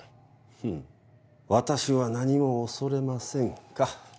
ふっ私は何も恐れませんか。